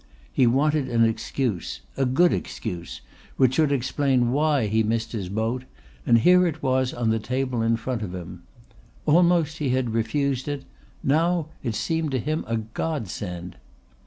He wanted an excuse, a good excuse which should explain why he missed his boat, and here it was on the table in front of him. Almost he had refused it! Now it seemed to him a Godsend.